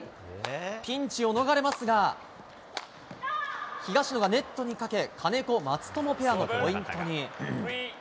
ピンチを逃れますが東野がネットにかけ金子、松友ペアのポイントに。